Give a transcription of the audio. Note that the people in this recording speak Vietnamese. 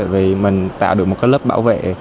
vì mình tạo được một lớp bảo vệ